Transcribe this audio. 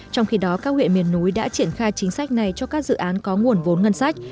trong khi đó các huyện miền núi đã triển khai chính sách này cho các dự án có nguồn vốn ngân sách